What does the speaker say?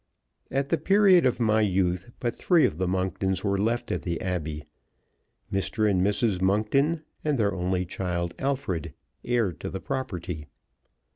At the period of my youth but three of the Monktons were left at the Abbey Mr. and Mrs. Monkton and their only child Alfred, heir to the property.